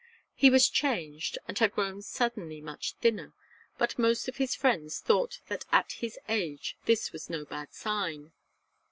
He was changed, and had grown suddenly much thinner, but most of his friends thought that at his age this was no bad sign.